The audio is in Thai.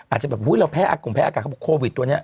อาจจะแบบอุ๊ยเราแพ้อากงแพ้อากาศเขาบอกโควิดตัวนี้